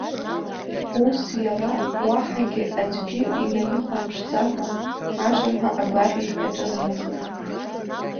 Ус, иара, уаҳагьы аӡәгьы инаихәамԥшӡакәа, ашырҳәа агәашәахь аҿынанахеит.